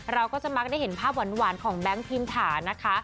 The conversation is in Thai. เราก็จะมักได้เห็นภาพหวานของแบงค์พิมถานะคะ